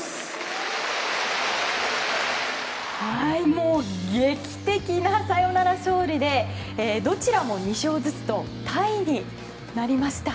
もう劇的なサヨナラ勝利でどちらも２勝ずつとタイになりました。